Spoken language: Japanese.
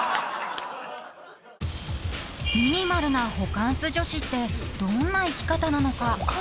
［ミニマルなホカンス女子ってどんな生き方なのか？］